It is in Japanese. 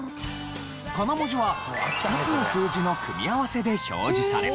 カナ文字は２つの数字の組み合わせで表示され。